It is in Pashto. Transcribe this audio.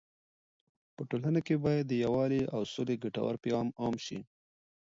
په ټولنه کې باید د یووالي او سولې ګټور پیغام عام سي.